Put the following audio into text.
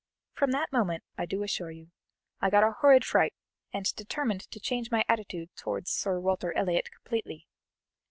From that moment, I do assure you, I got a horrid fright, and determined to change my attitude towards Sir Walter Elliot completely.